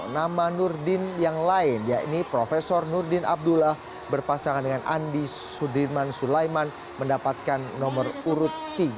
nama nur din yang lain yakni profesor nur din abdullah berpasangan dengan andi sudirman sulaiman mendapatkan nomor urut tiga